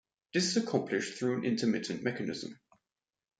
This is accomplished through an intermittent mechanism.